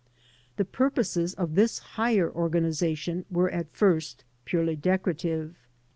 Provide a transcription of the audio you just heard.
The purposes of this higher organization were at &st purely decorative.